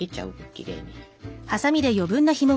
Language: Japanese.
きれいに。